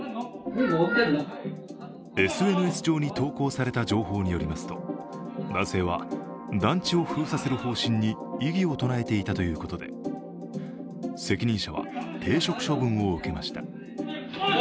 ＳＮＳ上に投稿された情報によりますと、男性は団地を封鎖する方針に異議を唱えていたということで責任者は停職処分を受けました。